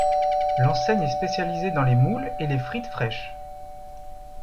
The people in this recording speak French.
L’enseigne est spécialisée dans les moules et les frites fraîches.